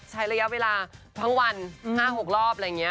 ใช้ระยะเวลาทั้งวัน๕๖รอบอะไรอย่างนี้